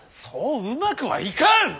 そううまくはいかん！